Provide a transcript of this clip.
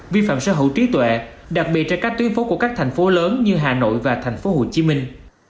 vi phạm sở hữu trí tuệ đặc biệt trên các tuyến phố của các thành phố lớn như hà nội và thành phố hồ chí minh